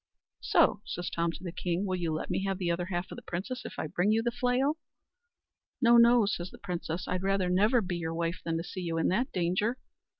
"So," says Tom to the king, "will you let me have the other half of the princess if I bring you the flail?" "No, no," says the princess; "I'd rather never be your wife than see you in that danger."